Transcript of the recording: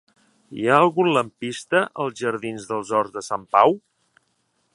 Hi ha algun lampista als jardins dels Horts de Sant Pau?